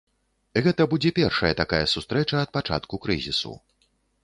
Гэта будзе першая такая сустрэча ад пачатку крызісу.